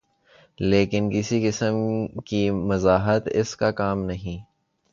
لیکن کسی قسم کی مزاحمت اس کا کام نہیں۔